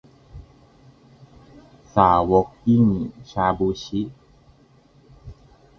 สาวกหยิ่ง ชาบู ชิ